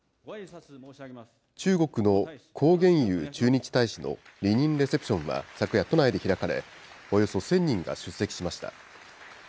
中国の孔鉉佑駐日大使の離任レセプションは昨夜、都内で開かれ、およそ１０００人が出席しました。